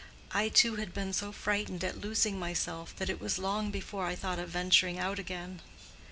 I too had been so frightened at losing myself that it was long before I thought of venturing out again.